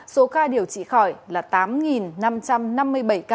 số ca điều trị khỏi là tám năm trăm năm mươi bảy ca